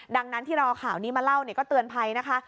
ดังนั้นที่เราเอาข่าวนี้มาเล่าก็เตือนภัยนะคะ